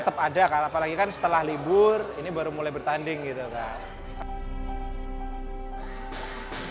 tetap ada kan apalagi kan setelah libur ini baru mulai bertanding gitu kan